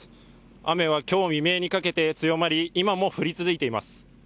雨は今日未明にかけて強まり今も降り続いています。